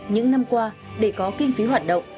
những năm qua để có kinh phí hoạt động